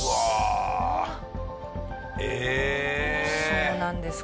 そうなんです。